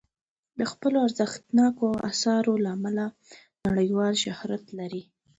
د خپلو ارزښتناکو اثارو له امله نړیوال شهرت لري.